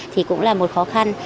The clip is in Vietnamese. thì cũng là một khó khăn